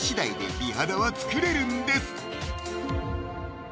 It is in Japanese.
美肌は作れるんです！